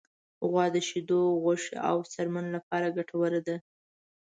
غوا د شیدو، غوښې، او څرمن لپاره ګټوره ده.